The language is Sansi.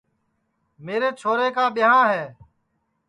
میرے چھورے کُا ٻیاں ہے